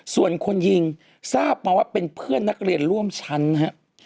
ส่วนคนยิงทราบมาว่าเป็นเพื่อนนักเรียนร่วมชั้นฮะ